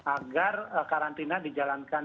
agar karantina dijalankan